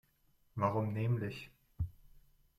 Warum nämlich?